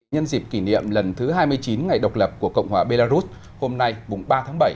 nhân dịp kỷ niệm lần thứ hai mươi chín ngày độc lập của cộng hòa belarus hôm nay ba tháng bảy